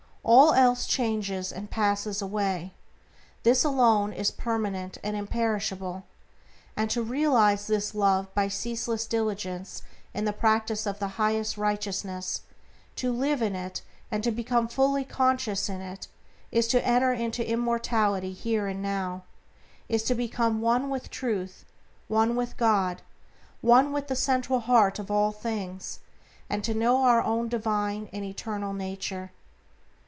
All else changes and passes away; this alone is permanent and imperishable; and to realize this Love by ceaseless diligence in the practice of the highest righteousness, to live in it and to become fully conscious in it, is to enter into immortality here and now, is to become one with Truth, one with God, one with the central Heart of all things, and to know our own divine and eternal nature.